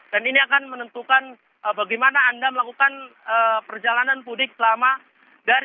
dan ini akan menentukan bagaimana anda melakukan perjalanan budik selama